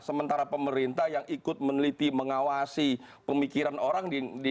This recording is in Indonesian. sementara pemerintah yang ikut meneliti mengawasi pemikiran orang di di di